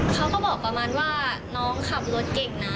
เขาก็บอกประมาณว่าน้องขับรถเก่งนะ